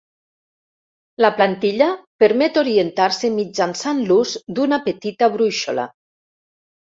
La plantilla permet orientar-se mitjançant l'ús d'una petita brúixola.